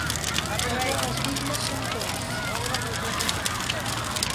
Els homes dignes són clars.